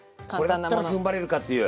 これだったらふんばれるかっていう。